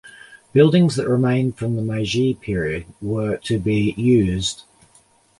Buildings that remained from the Meiji period were to be used.